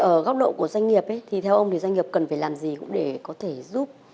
ở góc độ của doanh nghiệp thì theo ông thì doanh nghiệp cần phải làm gì cũng để có thể giúp